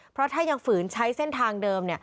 เพราะถ้ายังฝืนใช้เส้นทางเดิม